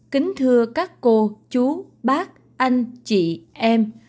kính thưa các cô chú bác anh chị em